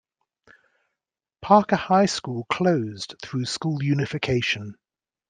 Parker High School closed through school unification.